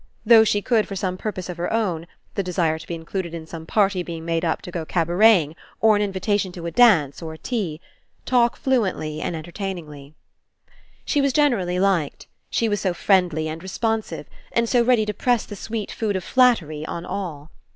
Though she could for some purpose of her own — the desire to be included in some party being made up to go cabareting, or an invitation to a dance or a tea — talk fluently and entertainingly. She was generally liked. She was so friendly and responsive, and so ready to press the sweet food of flattery on all.